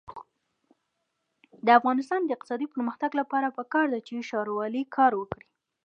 د افغانستان د اقتصادي پرمختګ لپاره پکار ده چې ښاروالي کار وکړي.